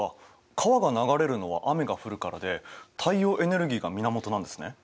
川が流れるのは雨が降るからで太陽エネルギーが源なんですね。